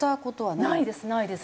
ないですないです。